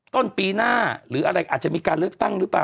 ต้นปีหน้าหรืออะไรอาจจะมีการเลือกตั้งหรือเปล่า